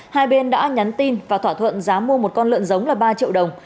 hai bên đã nhắn tin và thỏa thuận giá mua một con lợn giống là ba triệu đồng